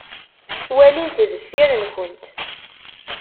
Walimt deffir-nkent.